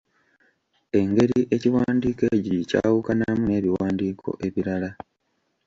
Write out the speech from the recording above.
Engeri ekiwandiiko ekyo gye kyawukanamu n'ebiwandiiko ebirala.